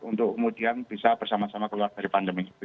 untuk kemudian bisa bersama sama keluar dari pandemi